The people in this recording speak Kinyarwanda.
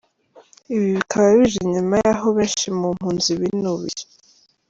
Ibi bikaba bije nyuma y’aho benshi mu mpunzi binubiye